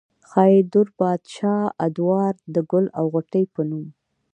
ښاغلي دور بادشاه ادوار د " ګل او غوټۍ" پۀ نوم